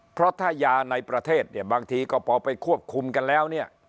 เพราะถ้ายาในประเทศบางทีพอไปควบคุมกันแล้ว